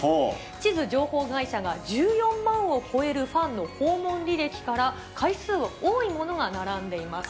地図情報会社が１４万を超えるファンの訪問履歴から、回数が多いものが並んでいます。